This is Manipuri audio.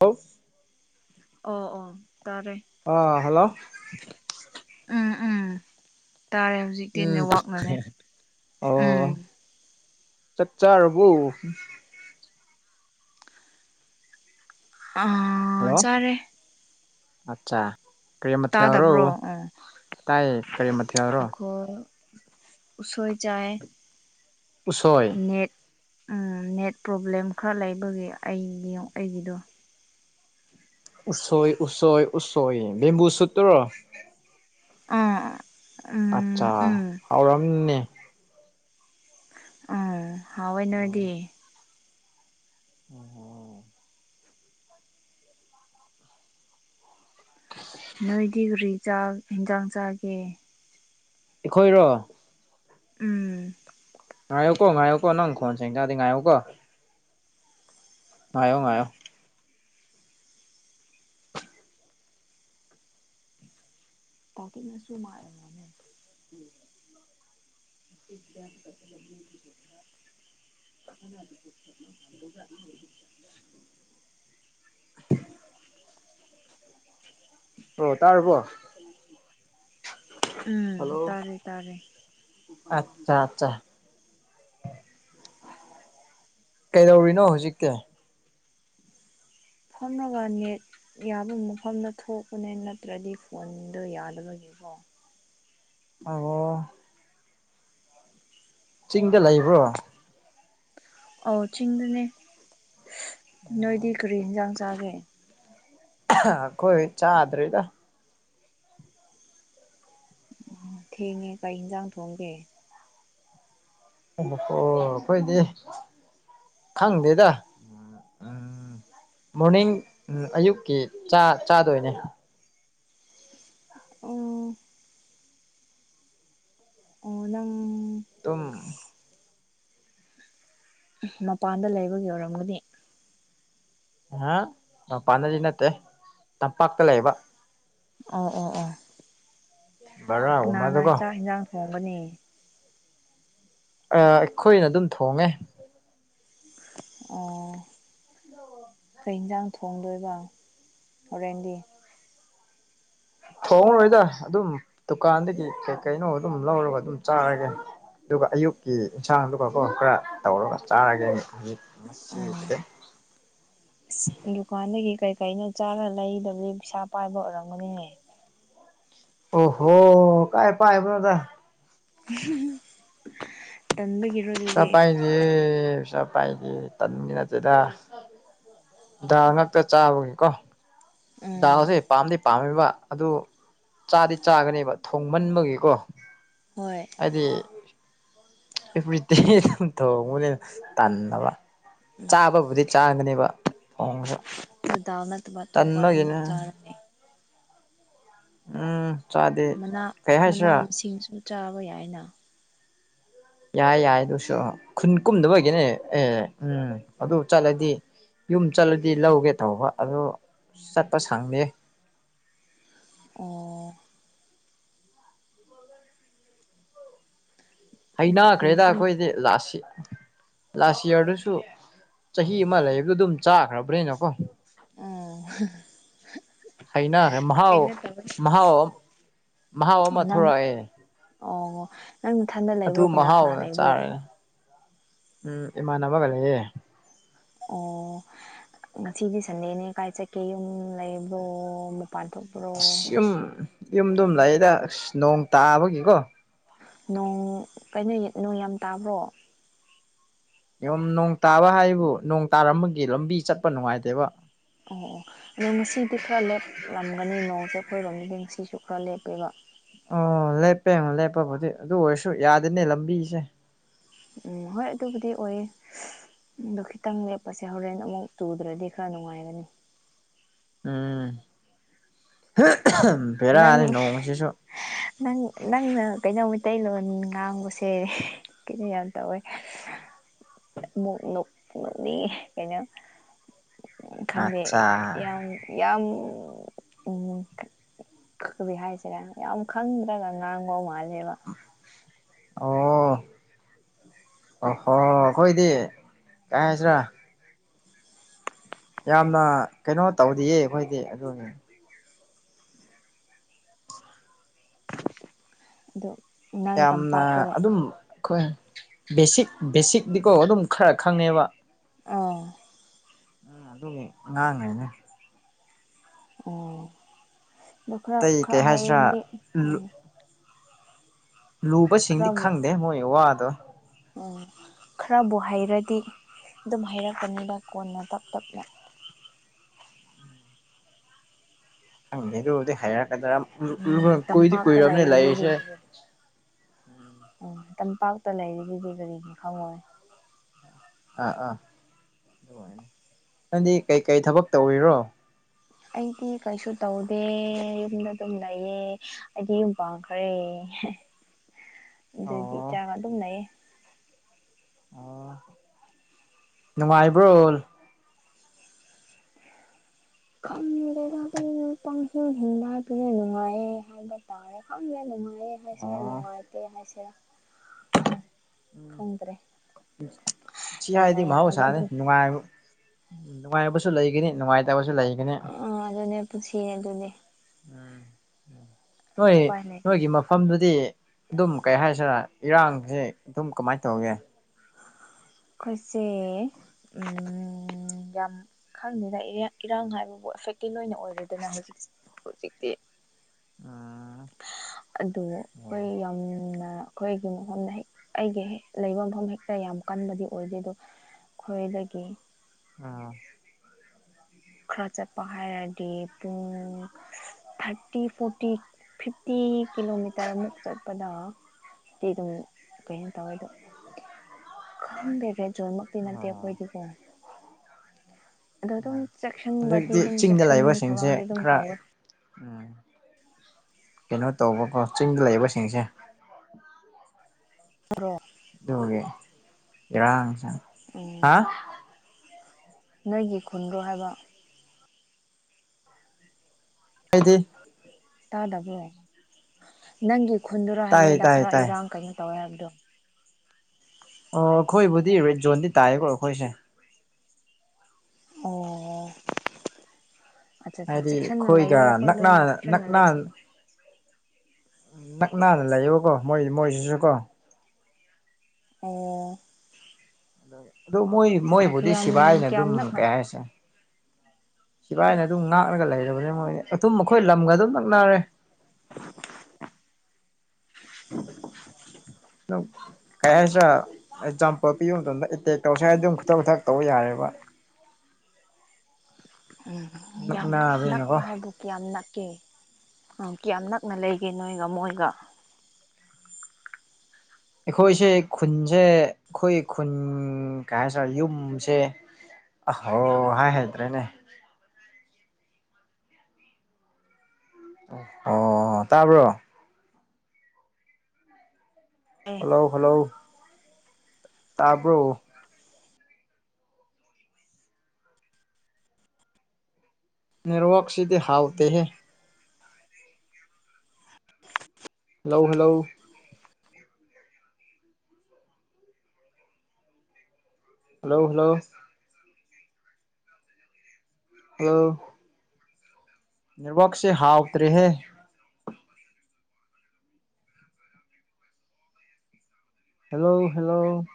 ꯍꯂꯣ ꯑꯣ ꯑꯣ ꯇꯥꯔꯦ ꯑ ꯍꯜꯂꯣ ꯎꯝ ꯎꯝ ꯇꯥꯔꯦ ꯍꯧꯖꯤꯛ ꯏꯇꯦꯟꯅꯦ ꯎꯝ ꯋꯥꯛꯅꯅꯦ ꯎꯝ ꯆꯠ ꯆꯥꯔꯕꯣ ꯑ ꯆꯔꯦ ꯑꯆꯥ ꯀꯔꯤ ꯃꯔꯣ ꯇꯥꯗꯕ꯭ꯔꯣ ꯑꯣ ꯇꯥꯏ ꯀꯔꯤ ꯃꯔꯣ ꯍ ꯎꯁꯣꯏ ꯆꯥꯏ ꯎꯁꯣꯏ ꯅꯦꯠ ꯎꯝ ꯅꯦꯠ ꯄ꯭ꯔꯣꯕ꯭ꯂꯦꯝ ꯈꯔ ꯂꯩꯕꯒꯤ ꯑꯩꯒꯤ ꯑꯩꯒꯤꯗꯣ ꯎꯁꯣꯏ ꯎꯁꯣꯏ ꯎꯁꯣꯏ ꯕꯦꯝꯕꯨ ꯁꯨꯇꯨꯔꯣ ꯑ ꯑꯆꯥ ꯍꯥꯎꯔꯅꯤꯅꯦ ꯎꯝ ꯍꯥꯎꯏ ꯑꯣꯏꯅꯗꯤ ꯎꯝ ꯍ ꯅꯣꯏꯗꯤ ꯔꯤ ꯌꯦꯟꯖꯥꯡ ꯆꯥꯒꯦ ꯑꯩꯈꯣꯏꯔꯣ ꯎꯝ ꯉꯥꯏꯌꯀꯣ ꯉꯥꯏꯌꯨꯀꯣ ꯀꯣꯟ ꯁꯦꯡꯀꯗꯤ ꯉꯥꯏꯌꯨꯀꯣ ꯉꯌꯣ ꯉꯌꯣ ꯇꯥꯇꯛꯅꯁꯨ ꯃꯥꯥꯛꯅꯦ ꯌꯥ ꯂ ꯅꯥ ꯄꯨ ꯊꯅꯄꯂ ꯆꯦ [unintelligible] [inaudible] ꯑꯣ ꯇꯥꯔꯕꯣ ꯎꯝ ꯍꯜꯂꯣ ꯇꯥꯔꯦ ꯇꯥꯔꯦ ꯑꯠꯆꯥ ꯑꯠꯆꯥ ꯀꯩꯗꯧꯔꯤꯅꯣ ꯍꯧꯖꯤꯛꯇꯤ ꯑ ꯐꯝꯅꯕꯅꯦꯠ ꯌꯥꯕ ꯃꯐꯝꯗ ꯊꯣꯛꯄꯅꯦ ꯅꯠꯇ꯭ꯔꯗꯤ ꯐꯣꯟꯗꯣ ꯌꯥꯗꯕꯒꯤꯀꯣ ꯑꯣ ꯆꯤꯡꯗ ꯂꯩꯕ꯭ꯔꯣ ꯑꯣ ꯆꯤꯡꯗꯅꯦ ꯅꯣꯏꯗꯤ ꯀꯔꯤ ꯌꯦꯟꯖꯥꯡ ꯆꯥꯒꯦ ꯑꯈꯣꯏ ꯆꯥꯗ꯭ꯔꯤꯗ ꯎ ꯊꯦꯡꯉꯦ ꯀꯔꯤ ꯌꯦꯟꯖꯥꯡ ꯊꯣꯡꯒꯦ ꯑꯣ ꯍꯣ ꯑꯩꯈꯣꯏꯗꯤ ꯈꯪꯗꯦꯗ ꯎꯝ ꯎꯝ ꯃꯣꯔꯅꯤꯡ ꯑꯌꯨꯛꯀꯤ ꯆꯥ ꯆꯥꯗꯣꯏꯅꯤ ꯑꯣ ꯑꯣ ꯅꯪ ꯇꯨꯝ ꯃꯄꯥꯟꯗ ꯂꯩꯕꯒꯤ ꯑꯣꯏꯔꯝꯒꯅꯤ ꯍꯥ ꯃꯄꯥꯟꯗꯗꯤ ꯅꯠꯇꯦ ꯇꯝꯄꯥꯛꯇ ꯂꯩꯕ ꯑꯣ ꯑꯣ ꯑꯣ ꯀꯅꯥꯅ ꯕꯔꯥꯒꯨꯝꯕꯗꯀꯣ ꯆꯥꯛ ꯏꯟꯁꯥꯡ ꯊꯣꯡꯒꯅꯤ ꯑꯩꯈꯣꯏꯅ ꯑꯗꯨꯝ ꯊꯣꯡꯉꯦ ꯑꯣ ꯂ ꯀꯩ ꯌꯦꯟꯖꯥꯡ ꯊꯣꯡꯗꯣꯏꯕ ꯍꯣꯔꯦꯟꯗꯤ ꯊꯣꯡꯔꯣꯏꯗ ꯑꯗꯨꯝ ꯗꯨꯀꯥꯟꯗꯒꯤ ꯀꯩ ꯀꯩꯅꯣ ꯑꯗꯨꯝ ꯂꯧꯔꯒ ꯑꯗꯨꯝ ꯆꯥꯔꯒꯦ ꯑꯗꯨꯒ ꯑꯌꯨꯛꯀꯤ ꯏꯟꯁꯥꯡ ꯑꯗꯨꯒ ꯈꯔ ꯇꯧꯔꯒ ꯆꯥꯔꯒꯦ ꯍꯧꯖꯤꯛ ꯑꯁ ꯗꯨꯀꯥꯟꯗꯒꯤ ꯀꯔꯤ ꯀꯔꯤꯅꯣ ꯆꯥꯔ ꯂꯩꯗꯕꯗꯤ ꯄꯩꯁꯥ ꯄꯥꯏꯕ ꯑꯣꯏꯔꯝꯒꯅꯤꯅꯦ ꯑꯣꯍꯣ ꯀꯥꯏ ꯄꯥꯏꯕꯅꯣꯗ ꯇꯟꯕꯒꯤ ꯄꯩꯁꯥ ꯄꯥꯏꯔꯤꯌꯦ ꯄꯩꯁꯥ ꯄꯥꯏꯔꯤꯌꯦ ꯇꯟꯃꯤ ꯅꯠꯇꯦꯗ ꯗꯥꯜ ꯉꯛꯇ ꯆꯥꯕꯒꯤꯀꯣ ꯎꯝ ꯗꯥꯜꯁꯦ ꯄꯥꯝꯗꯤ ꯄꯥꯝꯃꯦꯕ ꯑꯗꯨ ꯆꯥꯗꯤ ꯆꯥꯒꯅꯦꯕ ꯊꯣꯡ ꯃꯟꯕꯒꯤꯀꯣ ꯍꯣꯏ ꯑꯗꯤ [unintelligible] ꯊꯣꯡꯕꯅꯦ ꯇꯟꯗꯕ ꯎꯝ ꯆꯥꯕꯕꯨꯗꯤ ꯆꯥꯒꯅꯦꯕ ꯊꯣꯡꯁꯨ ꯗꯥꯜ ꯅꯠꯇꯕ ꯑꯇꯣꯞꯄ ꯑꯃꯨꯛ ꯆꯥꯔꯅꯤ ꯎꯝ ꯆꯥꯗꯦ ꯅꯥ ꯀꯩ ꯃꯅꯥ ꯍꯥꯏꯁꯤꯔꯥ ꯃꯁꯤꯡꯁꯨ ꯆꯥꯕ ꯌꯥꯏꯅ ꯌꯥꯏ ꯌꯥꯏ ꯑꯗꯨꯁꯨ ꯈꯨꯟ ꯀꯨꯝꯗꯕꯒꯤꯅꯦ ꯑꯦ ꯎꯝ ꯑꯗꯨ ꯆꯠꯂꯗꯤ ꯌꯨꯝ ꯆꯠꯂꯗꯤ ꯂꯧꯒꯦ ꯇꯧꯕ ꯑꯗꯣ ꯆꯠꯄ ꯁꯪꯗꯦ ꯑꯣ ꯈꯨꯟ ꯍꯩꯅꯈ꯭ꯔꯦꯗ ꯀꯨꯝꯗ꯭ꯔ ꯑꯩꯈꯣꯏꯗꯤ ꯂꯥꯛꯁꯤ ꯂꯥꯁ ꯏꯌꯥꯔꯗꯁꯨ ꯆꯍꯤ ꯑꯃ ꯂꯩꯕꯗꯣ ꯑꯗꯨꯝ ꯆꯥꯈ꯭ꯔꯕꯅꯤꯅꯀꯣ ꯎꯪ ꯍꯩꯅꯈ꯭ꯔꯦ ꯃꯍꯥꯎ ꯇꯧꯋꯦ ꯃꯍꯥꯎ ꯃꯍꯥꯎ ꯑꯃ ꯅꯪ ꯊꯣꯛꯔꯛꯑꯦ ꯑꯣ ꯅꯪ ꯃꯊꯟꯗ ꯂꯩꯕ꯭ꯔꯣ ꯑꯗꯨ ꯀꯅꯥ ꯀꯅꯥ ꯃꯍꯥꯎꯅ ꯂꯩꯕ꯭ꯔꯣ ꯆꯥꯔꯦꯅ ꯎꯝ ꯏꯃꯥꯟꯅꯕꯒ ꯂꯩꯌꯦ ꯑꯣ ꯉꯁꯤꯗꯤ ꯁꯟꯗꯦꯅꯦ ꯀꯥꯏ ꯆꯠꯀꯦ ꯌꯨꯝ ꯂꯩꯕ꯭ꯔꯣ ꯊꯣꯛꯄ꯭ꯔꯣ ꯑꯁ ꯌꯨꯝ ꯌꯨꯝꯗꯨꯝ ꯂꯩꯗ ꯑꯁ ꯅꯣꯡ ꯇꯥꯕꯒꯤꯀꯣ ꯅꯣꯡ ꯀꯩꯅꯣ ꯅꯣꯡ ꯌꯥꯝ ꯇꯥꯕ꯭ꯔꯣ ꯌꯣꯝ ꯅꯣꯡ ꯇꯥꯕ ꯍꯥꯏꯕꯨ ꯅꯣꯡ ꯇꯥꯔꯝꯃꯒꯤ ꯂꯝꯕꯤ ꯆꯠꯄ ꯅꯨꯡꯉꯥꯏꯇꯦꯕ ꯑꯣ ꯑꯣ ꯑꯗꯣ ꯉꯁꯤꯗꯤ ꯈꯔ ꯂꯦꯞꯂꯝꯒꯅꯤ ꯅꯣꯡꯁꯦ ꯑꯩꯈꯣꯏꯔꯣꯝꯗꯗꯤ ꯉꯁꯤꯁꯨ ꯈꯔ ꯂꯦꯞꯄꯦꯕ ꯑꯣ ꯂꯦꯞꯄꯦ ꯂꯦꯞꯄꯕꯨꯗꯤ ꯑꯗꯨ ꯑꯣꯏꯔꯁꯨ ꯌꯥꯗꯅꯦ ꯂꯝꯕꯤꯁꯦ ꯎꯝ ꯍꯣꯏ ꯑꯗꯨꯕꯨꯗꯤ ꯑꯣꯏꯌꯦ ꯑꯗꯣ ꯈꯤꯇꯪ ꯂꯦꯞꯄꯁꯦ ꯍꯣꯔꯦꯟ ꯑꯃꯨꯛ ꯇꯨꯗ꯭ꯔꯗꯤ ꯈꯔ ꯅꯨꯡꯉꯥꯏꯒꯅꯤ ꯎꯝ ꯄꯦꯔꯛꯑꯅꯤ ꯅꯪ ꯅꯣꯡꯁꯤꯁꯨ ꯅꯪ ꯅꯪꯅ ꯀꯩꯅꯣ ꯃꯩꯇꯩꯂꯣꯟ ꯉꯥꯡꯕꯁꯦ ꯀꯩꯅꯣ ꯌꯥꯝ ꯇꯧꯋꯦ ꯀꯩꯅ ꯪꯎ ꯈꯪꯗꯦ ꯑꯠꯆꯥ ꯌꯥꯝ ꯌꯥꯝ ꯎꯝ ꯀꯔꯤ ꯍꯥꯏꯁꯤꯔꯥ ꯌꯥꯝ ꯈꯪꯗ꯭ꯏ ꯉꯥꯡꯕ ꯃꯥꯜꯂꯦꯕ ꯑꯣ ꯑꯣ ꯍꯣ ꯑꯩꯈꯣꯏꯗꯤ ꯀꯥꯏ ꯍꯥꯏꯁꯤꯔꯥ ꯌꯥꯝꯅ ꯀꯩꯅꯣ ꯇꯧꯗꯤꯌꯦ ꯑꯩꯈꯣꯏꯗꯤ ꯑꯗꯨꯅꯦ ꯑꯗꯨꯣ ꯅ ꯇꯝꯄꯥꯛꯇꯗ ꯍꯣꯏ ꯕꯦꯁꯤꯛ ꯕꯦꯁꯤꯛꯇꯤꯀꯣ ꯑꯗꯨꯝ ꯈꯔ ꯈꯪꯉꯦꯕ ꯑꯥ ꯎꯝ ꯑꯗꯨꯒꯤ ꯉꯥꯡꯉꯤꯅꯤ ꯑꯣ ꯑꯇꯩ ꯀꯩ ꯂꯈ꯭ꯔꯥꯈꯔ ꯍꯥꯏꯁꯤꯔꯥ ꯍꯥꯏꯗꯤ ꯎꯝ ꯂꯨꯕꯁꯤꯡꯗꯤ ꯈꯔꯕꯨ ꯈꯪꯗꯦ ꯃꯣꯏ ꯋꯥꯗꯣ ꯎꯝ ꯈꯔꯕꯨ ꯍꯩꯔꯗꯤ ꯑꯗꯨꯝ ꯍꯩꯔꯛꯄꯅꯤꯗ ꯀꯣꯟꯅ ꯇꯞ ꯇꯞꯅ ꯈꯪꯉꯦ ꯑꯗꯨꯕꯨꯗꯤ ꯍꯥꯏꯔꯛꯀꯗ꯭ꯔꯥ ꯎꯝ ꯀꯨꯏꯗꯤ ꯇꯝꯄꯥꯛꯇ ꯀꯨꯏꯔꯕꯅꯦ ꯂꯩꯔꯤꯗꯨꯗꯤ ꯂꯩꯔꯤꯁꯦ ꯀꯔꯤ ꯎꯝ ꯇꯝꯄꯥꯛꯇ ꯂꯩꯔꯤꯗꯨꯗꯤ ꯀꯔꯤꯒꯤ ꯈꯪꯉꯣꯏ ꯑꯥ ꯑꯥ ꯅꯪꯗꯤ ꯀꯩꯀꯩ ꯊꯕꯛ ꯇꯧꯔꯤꯔꯣ ꯑꯩꯗꯤ ꯀꯩꯁꯨ ꯇꯧꯗꯦ ꯌꯨꯝꯗ ꯑꯗꯨꯝ ꯂꯩꯌꯦ ꯑꯩꯗꯤ ꯌꯨꯝ ꯄꯥꯟ ꯍꯔꯦ ꯑꯗꯨꯗꯤ ꯑꯣ ꯏꯆꯥꯒ ꯑꯗꯨꯝꯅꯩꯌꯦ ꯑꯣ ꯅꯨꯡꯉꯥꯏꯕ꯭ꯔꯣ ꯈꯪꯗꯦꯗ ꯑꯗꯨꯝ ꯄꯪꯍꯤꯡ ꯍꯤꯡꯕ ꯅꯨꯡꯉꯥꯏꯔꯦ ꯍꯥꯏꯕ ꯇꯥꯔꯦ ꯈꯪꯗꯦ ꯅꯨꯡꯉꯥꯏ ꯑꯩ ꯏꯁꯥ ꯑꯣ ꯅꯨꯡꯉꯥꯏꯇꯦ ꯍꯥꯏꯁꯦꯔꯥ ꯎꯝ ꯁꯤ ꯌꯥꯅ ꯍꯥꯏꯗꯤ ꯌꯥꯅꯕ ꯃꯍꯧꯁꯥꯅ ꯑꯗꯨꯝ ꯅꯨꯡꯉꯥꯏꯕ ꯎ ꯅꯨꯡꯉꯥꯏꯕꯁꯨ ꯂꯩꯒꯅꯤ ꯅꯨꯡꯉꯥꯏꯇꯕꯁꯨ ꯂꯩꯒꯅꯤ ꯑ ꯑꯗꯨꯅꯦ ꯄꯨꯟꯁꯤꯌꯦꯦ ꯑꯗꯨꯅꯦ ꯎꯝ ꯅꯣꯏ ꯎꯄꯥꯏ ꯂꯩꯇꯦ ꯅꯣꯏꯒꯤ ꯃꯥ ꯃꯐꯝꯗꯨꯗꯤ ꯑꯗꯨꯝ ꯀꯩ ꯍꯥꯏꯁꯤꯔ ꯏꯔꯥꯡꯁꯤ ꯑꯗꯨꯝ ꯀꯃꯥꯏꯅ ꯇꯧꯒꯦ ꯑꯩꯈꯣꯏꯁꯦ ꯎꯝ ꯌꯥꯝ ꯈꯪꯗꯦꯅ ꯏꯔꯥꯡ ꯍꯥꯏꯕꯕꯨ ꯑꯦꯐꯦꯛꯇꯠ ꯑꯣꯏꯅ ꯑꯣꯏꯔꯦꯗꯅ ꯍꯧꯖꯤꯛ ꯍꯧꯖꯤꯛꯇꯤ ꯑ ꯑꯗꯣ ꯑꯩꯈꯣꯏ ꯌꯥꯝꯅ ꯑꯩꯈꯣꯏꯒꯤ ꯃꯐꯝꯗ ꯍꯦꯛ ꯑꯩꯒꯤ ꯍꯦꯛ ꯂꯩꯕ ꯃꯐꯝ ꯍꯦꯛꯇ ꯌꯥꯝ ꯀꯟꯕꯗꯤ ꯑꯣꯏꯗꯦ ꯑꯗꯣ ꯈꯣꯏꯗꯗꯒꯤ ꯑꯥ ꯈꯔ ꯆꯠꯄ ꯍꯥꯏꯔꯗꯤ ꯄꯨꯡ ꯊꯥꯔꯇꯤ ꯐꯣꯔꯇꯤ ꯐꯤꯐꯇꯤ ꯀꯤꯂꯣꯃꯤꯇꯔꯃꯨꯛ ꯆꯠꯄꯗ ꯁꯤ ꯑꯗꯨꯝ ꯀꯩꯅꯣ ꯇꯧꯋꯦꯗꯣ [unintelligible] ꯈꯪꯗꯦ ꯔꯦꯗꯖꯣꯟꯃꯛꯇꯤ ꯅꯠꯇꯦ ꯑꯣ ꯑꯩꯈꯣꯏꯗꯤꯀꯣ ꯑꯗꯣ ꯑꯗꯨꯝ ꯎꯪ ꯆꯦꯛꯁꯤꯟꯕꯗꯤ ꯍꯧꯖꯤꯛꯇꯤ ꯑꯗꯨꯝ ꯆꯤꯡꯗ ꯆꯦꯛꯁꯤꯟ ꯂꯩꯕꯁꯤꯡꯁꯦ ꯊꯧꯔꯥꯡꯗꯤ ꯑꯗꯨꯝ ꯈꯔꯥ ꯇꯧꯋꯦ꯭ꯔꯣ ꯎꯝ ꯀꯩꯅꯣ ꯇꯧꯕꯀꯣ ꯆꯤꯡꯗ ꯂꯩꯕꯁꯤꯡꯁꯦ ꯕ꯭ꯔꯣ ꯑꯗꯨꯒꯒꯤꯦ ꯏꯔꯥꯡꯁꯥꯡ ꯎꯝ ꯅꯣꯏꯒꯤ ꯈꯨꯟꯗ꯭ꯔꯣ ꯍꯥꯏꯕ ꯀꯗꯤ ꯇꯥꯗꯕ꯭ꯔꯣ ꯅꯪꯒꯤ ꯈꯨꯟꯗꯨꯔꯥ ꯇꯥꯏ ꯍꯥꯏꯕꯅꯤꯗ ꯇꯥꯏ ꯈꯔ ꯇꯥꯏ ꯏꯔꯥꯡ ꯀꯩꯅꯣ ꯇꯧꯋꯦ ꯍꯥꯏꯕꯗꯣ ꯑꯣ ꯑꯩꯈꯣꯏꯕꯨꯗꯤ ꯔꯦꯠ ꯖꯣꯟꯗꯤ ꯇꯥꯏꯌꯦꯀꯣ ꯑꯩꯈꯣꯏꯁꯦ ꯑꯣ ꯑꯠꯆꯥ ꯆꯥ ꯍꯥꯏꯗꯤ ꯆꯦꯛꯁꯤꯟꯅ ꯂꯩꯌꯣ ꯑꯩꯈꯣꯏꯒ ꯑꯩꯈꯣꯏ ꯅꯛꯅ ꯂꯣꯏꯅ ꯆꯦꯛꯁꯤꯟꯅ ꯅꯛꯅ ꯂꯩꯁꯦ ꯅꯛꯅꯅ ꯂꯩꯌꯦꯕꯀꯣ ꯃꯣꯏ ꯃꯣꯏꯁꯤꯁꯨ ꯀꯣ ꯑꯣ ꯑꯗꯨ ꯃꯣꯏ ꯑꯠꯆꯥ ꯑꯠꯆꯥ ꯃꯣꯏꯕꯨꯗꯤ ꯀꯌꯥꯝ ꯁꯤꯕꯥꯥꯏꯅ ꯑꯗꯨꯝ ꯀꯌꯥꯝ ꯅꯛꯅ ꯀꯩ ꯍꯥꯏꯁꯦ ꯁꯤꯕꯥꯥꯏꯅ ꯑꯗꯨꯝ ꯉꯥꯛꯂꯒ ꯂꯩꯔꯕꯅꯤ ꯃꯣꯏꯅꯤ ꯑꯗꯨꯝ ꯑꯩꯣꯏ ꯂꯝꯒ ꯑꯗꯨꯝ ꯅꯛꯅꯔꯦ [unintelligible] ꯀꯍꯥꯏꯆꯥ ꯑꯦꯛꯖꯥꯝꯄꯜ ꯄꯤꯕ ꯃꯇꯝꯗ ꯑꯦꯇꯦꯛ ꯇꯧꯁꯦ ꯍꯥꯏ ꯑꯗꯨꯝ ꯈꯨꯊꯛ ꯈꯨꯊꯛ ꯇꯧꯕ ꯌꯥꯔꯦꯕ ꯎꯝ ꯌꯥꯝ ꯅꯛꯄ ꯅꯛꯅꯕꯅꯤꯅꯀꯣ ꯍꯥꯏꯕꯨ ꯀꯌꯥꯝ ꯅꯛꯀꯦ ꯀꯌꯥꯝ ꯅꯛꯅ ꯂꯩꯒꯦ ꯅꯣꯏꯒ ꯃꯣꯏꯒ ꯑꯩꯈꯣꯏꯁꯦ ꯈꯨꯟꯁꯦ ꯑꯩꯈꯣꯏ ꯈꯨꯟ ꯀꯩ ꯍꯥꯏꯁꯤꯔ ꯌꯨꯝꯁꯦ ꯑꯣ ꯍꯣ ꯍꯥꯏ ꯍꯩꯇ꯭ꯔꯦꯅꯦ ꯑꯣ ꯑꯣ ꯇꯥꯕ꯭ꯔꯣ ꯑꯦ ꯍꯜꯂꯣ ꯍꯜꯂꯣ ꯇꯥꯔꯕ꯭ꯔꯣ ꯅꯅꯤꯔꯋꯛꯁꯤꯗꯤ ꯍꯥꯎꯇꯍ hello hello hello hello hello ꯅꯦꯋꯥꯛꯁꯦ ꯍꯥꯥꯎꯇꯔꯦꯍꯦ ꯍꯜꯂꯣ ꯍꯜꯂꯣ